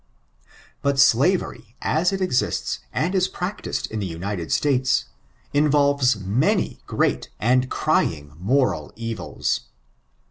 tto fftavery, as it exists^ and is practiced in the United :iititM^ iufolves many great and crying moral evils.